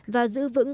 và giữ vững